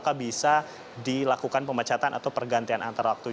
maka bisa dilakukan pemecatan atau pergantian antara anggota dewan